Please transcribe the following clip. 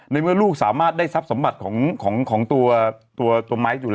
ในเมื่อลูกสามารถได้ทรัพย์สมบัติของตัวไมค์